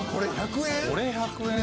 これ１００円？